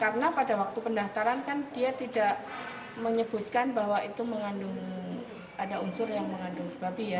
karena pada waktu pendaftaran kan dia tidak menyebutkan bahwa itu mengandung ada unsur yang mengandung babi ya